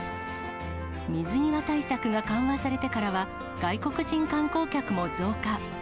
水際対策が緩和されてからは、外国人観光客も増加。